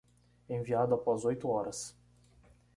Enviado após oito horas